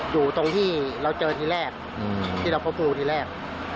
อยู่ตรงที่เราเจอที่แรกที่เราพบรูที่แรก